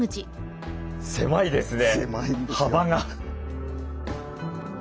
狭いですね幅が。